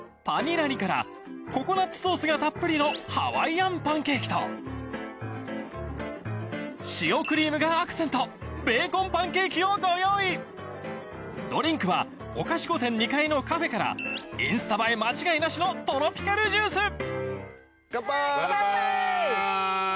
パニラニからココナッツソースがたっぷりのハワイアンパンケーキと塩クリームがアクセントベーコンパンケーキをご用意ドリンクは御菓子御殿２階のカフェからインスタ映え間違いなしのトロピカルジュース